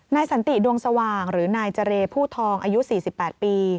สันติดวงสว่างหรือนายเจรผู้ทองอายุ๔๘ปี